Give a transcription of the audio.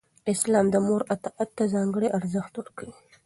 اسلام د مور اطاعت ته ځانګړی ارزښت ورکوي.